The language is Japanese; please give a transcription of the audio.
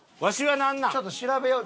ちょっと調べよう。